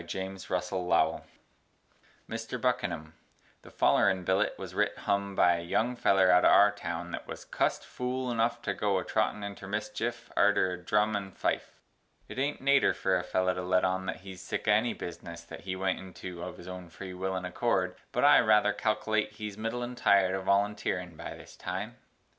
JAMES RUSSELL LOWELL THE YANKEE RECRUIT Mister Buckinum, the follerin Billet was writ hum by a Yung feller of our town that wuz cussed fool enuff to goe a trottin inter Miss Chiff arter a Drum and fife. It ain't Nater for a feller to let on that he's sick o' any bizness that he went intu off his own free will and a Cord, but I rather cal'late he's middlin tired o' voluntearin By this time.